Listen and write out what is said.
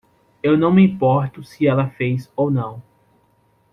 Eu não me importo se ela fez ou não.